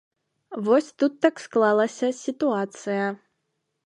Вось тут так склалася сітуацыя.